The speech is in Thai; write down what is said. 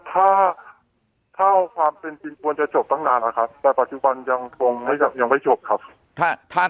ถ้าเท่าความเป็นจริงควรจะจบตั้งนานแล้วครับแต่ปัจจุบันยังคงยังไม่จบครับ